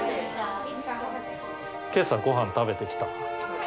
今朝ごはん食べてきた？